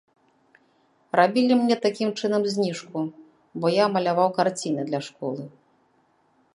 Рабілі мне такім чынам зніжку, бо я маляваў карціны для школы.